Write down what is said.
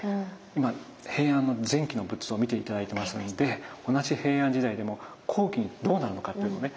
今平安の前期の仏像を見て頂いてますので同じ平安時代でも後期にどうなるのかっていうのがね